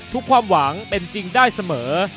ความหวังเป็นจริงได้เสมอ